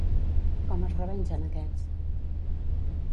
Com es revengen aquests?